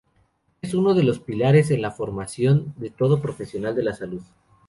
Es uno de los pilares en la formación de todo profesional de la salud.